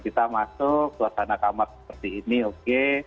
kita masuk suasana kamar seperti ini oke